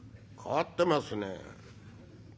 変わってますね。